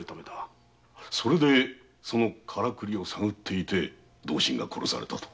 それでそのカラクリを探っていて同心が殺されたと。